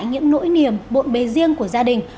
những nỗi niềm bộn bê riêng của gia đình